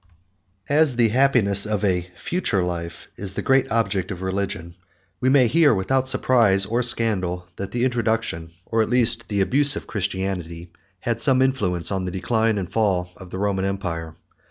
As the happiness of a future life is the great object of religion, we may hear without surprise or scandal, that the introduction or at least the abuse, of Christianity had some influence on the decline and fall of the Roman empire.